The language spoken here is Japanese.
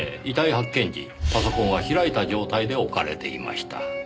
遺体発見時パソコンは開いた状態で置かれていました。